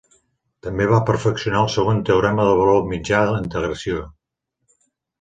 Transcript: També va perfeccionar el segon teorema de valor mitjà de la integració.